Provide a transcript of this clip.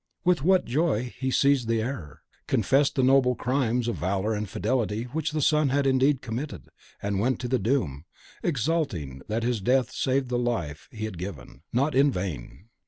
With what joy he seized the error, confessed the noble crimes of valour and fidelity which the son had indeed committed, and went to the doom, exulting that his death saved the life he had given, not in vain!